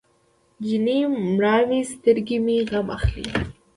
د جینۍ مړاوې سترګې مې غم اخلي.